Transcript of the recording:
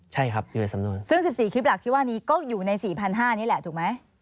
ใช่ครับอยู่ในสำนวนซึ่ง๑๔คลิปหลักที่ว่านี้ก็อยู่ใน๔๕๐๐นี่แหละถูกไหม